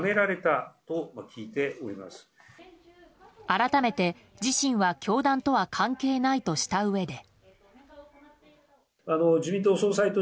改めて、自身は教団とは関係ないとしたうえで。